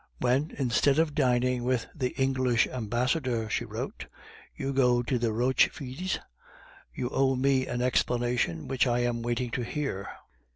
"When, instead of dining with the English Ambassador," she wrote, "you go to the Rochefides, you owe me an explanation, which I am waiting to hear."